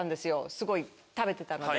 すごい食べてたので。